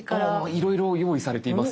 いろいろ用意されていますよね。